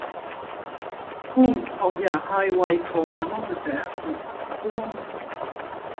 Coombes grandit à High Wycombe en Angleterre où il pratique de nombreux sports.